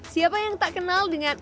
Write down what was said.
siapa yang tak kenal dengan